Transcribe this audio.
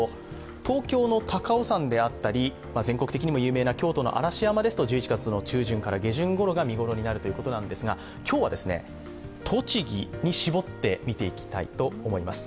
東京の高尾山であったり全国的にも有名な京都の嵐山ですと１１月の中旬から下旬ごろが見頃になるということなんですが、今日は栃木に絞って見ていきたいと思います。